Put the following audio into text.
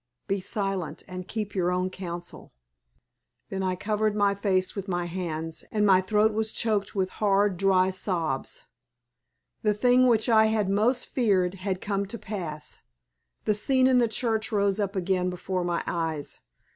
Be silent, and keep your own counsel." Then I covered my face with my hands, and my throat was choked with hard, dry sobs. The thing which I had most feared had come to pass. The scene in the church rose up again before my eyes.